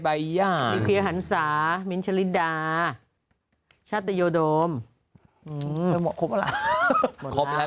ใบย่ามีหันศามิ้นชะลิดาชาติโยโดมอืมหมดครบแล้วครบแล้ว